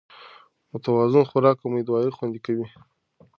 متوازن خوراک امېدواري خوندي کوي